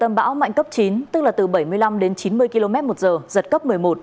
tâm bão mạnh cấp chín tức là từ bảy mươi năm đến chín mươi km một giờ giật cấp một mươi một